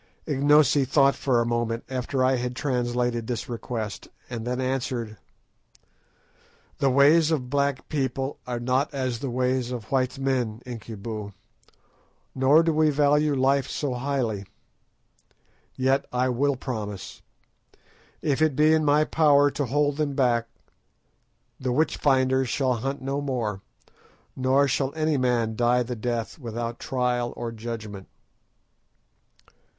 Ignosi thought for a moment after I had translated this request, and then answered— "The ways of black people are not as the ways of white men, Incubu, nor do we value life so highly. Yet I will promise. If it be in my power to hold them back, the witch finders shall hunt no more, nor shall any man die the death without trial or judgment."